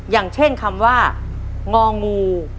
อย่างเช่นคำว่างองู